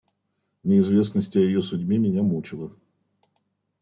Неизвестность о ее судьбе меня мучила.